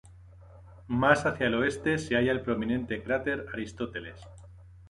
Más hacia el oeste se halla el prominente cráter Aristóteles.